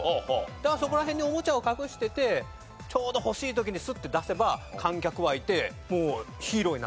だからそこら辺におもちゃを隠しててちょうど欲しい時にスッて出せば観客沸いてヒーローになれるかなと。